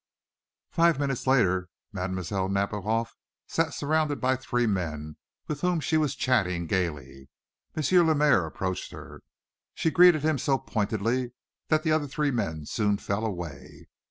Five minutes later Mlle. Nadiboff sat surrounded by three men, with whom she was chatting gayly. M. Lemaire approached her. She greeted him so pointedly that the other three men soon fell away.